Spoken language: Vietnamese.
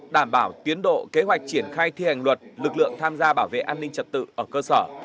đảm bảo tiến độ kế hoạch triển khai thi hành luật lực lượng tham gia bảo vệ an ninh trật tự ở cơ sở